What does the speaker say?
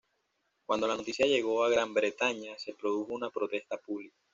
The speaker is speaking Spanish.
Cuando la noticia llegó a Gran Bretaña se produjo una protesta pública.